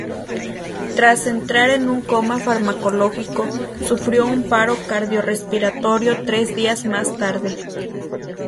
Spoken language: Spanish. Tras entrar en un coma farmacológico, sufrió un paro cardio-respiratorio tres días más tarde.